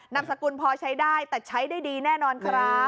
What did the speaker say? นามสกุลพอใช้ได้แต่ใช้ได้ดีแน่นอนครับ